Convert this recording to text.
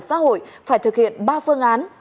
xã hội phải thực hiện ba phương án